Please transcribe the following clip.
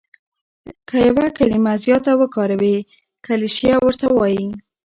که یو کلیمه زیاته وکاروې کلیشه ورته وايي.